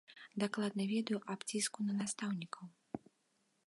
Дакладна ведаю аб ціску на настаўнікаў.